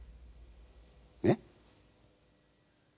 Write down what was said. えっ？